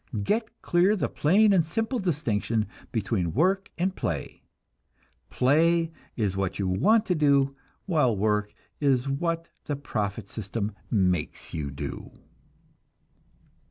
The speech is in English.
Get clear the plain and simple distinction between work and play: play is what you want to do, while work is what the profit system makes you do!